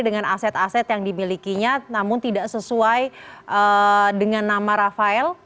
dengan aset aset yang dimilikinya namun tidak sesuai dengan nama rafael